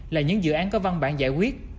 là những dự án có văn bản giải quyết